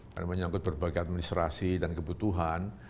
karena menyangkut berbagai administrasi dan kebutuhan